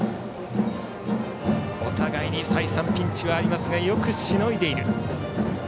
お互いに再三ピンチはありますがよくしのいでいる。